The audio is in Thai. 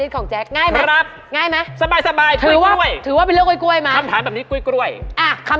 เผลอเหยียบเลื่อนอีก